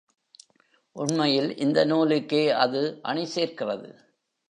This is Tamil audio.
உண்மையில் இந்த நூலுக்கே அது அணி சேர்க்கிறது.